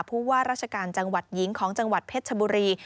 ผู้ว่าราชการจังหวัดหญิงของจังหวัดเพชรชบุรี